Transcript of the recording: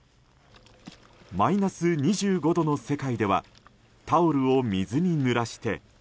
マイナス２５度の世界ではタオルを水にぬらして。